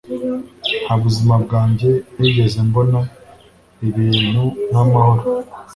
Nta buzima bwanjye nigeze mbona ibintu nk'amahoro.